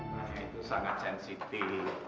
nah itu sangat sensitif